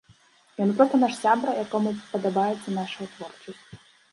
Ён проста наш сябра, якому падабаецца нашая творчасць.